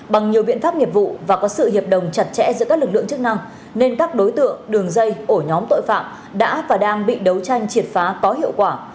bằng nhiều biện pháp nghiệp vụ và có sự hiệp đồng chặt chẽ giữa các lực lượng chức năng nên các đối tượng đường dây ổ nhóm tội phạm đã và đang bị đấu tranh triệt phá có hiệu quả